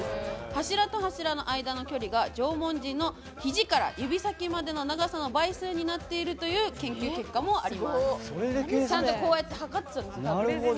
柱と柱の間の距離が、縄文人のひじから指先までの長さの倍数になっているという研究結果もあります。